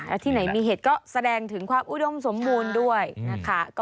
แล้วที่ไหนมีเห็ดก็แสดงถึงความอุดมสมบูรณ์ด้วยนะคะ